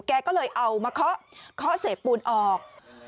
แกก็เลยเอามาเคาะเศษปูนออก